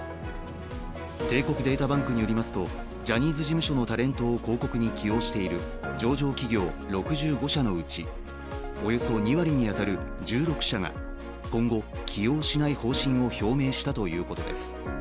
帝国データバンクによりますと、ジャニーズ事務所のタレントを広告に起用している上場企業６５社のうち、およそ２割に当たる１６社が今後起用しない方針を表明したということです。